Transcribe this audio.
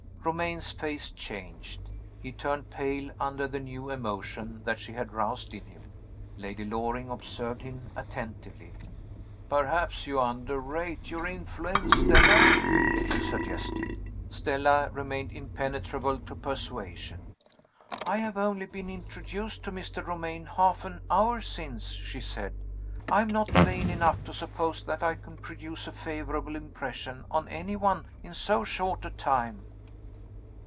Romayne's face changed: he turned pale under the new emotion that she had roused in him. Lady Loring observed him attentively. "Perhaps you underrate your influence, Stella?" she suggested. Stella remained impenetrable to persuasion. "I have only been introduced to Mr. Romayne half an hour since," she said. "I am not vain enough to suppose that I can produce a favorable impression on any one in so short a time."